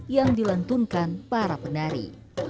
yang dilantunkan para penari